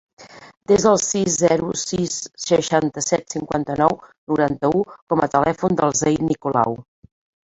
Desa el sis, zero, sis, seixanta-set, cinquanta-nou, noranta-u com a telèfon del Zayd Nicolau.